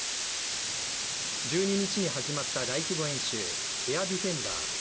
１２日に始まった大規模演習エアディフェンダー。